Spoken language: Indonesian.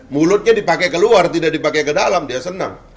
mulutnya dipakai keluar tidak dipakai ke dalam dia senang